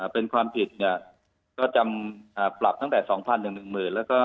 เป็นความผิดก็จำปรับตั้งแต่๒๐๐๐๑๐๐๐บาท